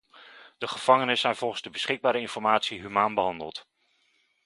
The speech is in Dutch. De gevangenen zijn volgens de beschikbare informatie humaan behandeld.